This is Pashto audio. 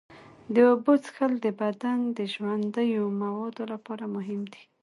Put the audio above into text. د اوبو څښل د بدن د ژوندیو موادو لپاره مهم دي.